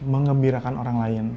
mengembirakan orang lain